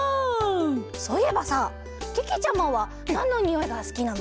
そういえばさけけちゃまはなんのにおいがすきなの？